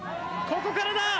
ここからだ。